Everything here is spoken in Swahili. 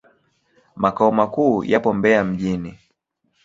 Makao makuu yapo Mbeya mjini.